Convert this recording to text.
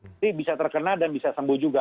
jadi bisa terkena dan bisa sembuh juga